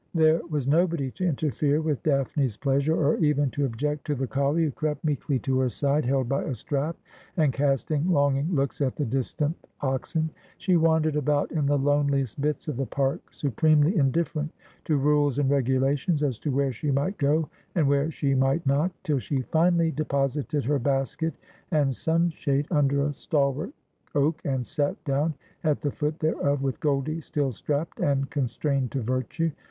There was nobody to interfere with Daphne's pleasure, or even to object to the collie, who crept meekly to her side, held by a strap, and casting longing looks at the distant oxen. She wandered about in the loneliest bits of the park, supremely indifferent to rules and regulations as to where she might go and where she might not ; till she finally deposited her basket and sunshade under a stalwart cak, and sat down at the foot thereof, with Goldie still strapped, and con strained to virtue.